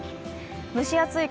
蒸し暑い